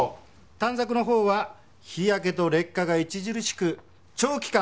短冊のほうは日焼けと劣化が著しく長期間